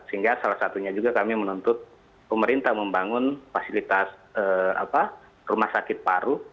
sehingga salah satunya juga kami menuntut pemerintah membangun fasilitas rumah sakit paru